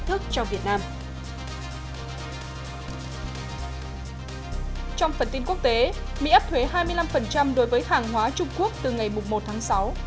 trong phần tin quốc tế mỹ áp thuế hai mươi năm đối với hàng hóa trung quốc từ ngày một tháng sáu